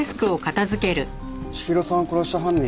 千尋さんを殺した犯人